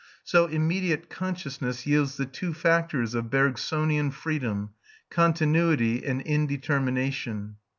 So immediate consciousness yields the two factors of Bergsonian freedom, continuity and indetermination.